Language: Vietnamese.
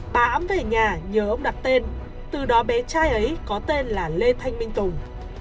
bà ếm về nhà nhờ ông đặt tên từ đó bé trai ấy có tên là lê thanh minh tùng